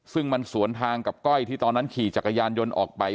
ซึ่งมันสวนทางกับก้อยที่ตอนนั้นขี่จักรยานยนต์ออกไป